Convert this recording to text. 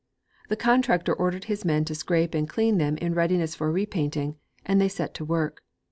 The contractor ordered his men to scrape and clean them in readiness for repainting, and they set to work.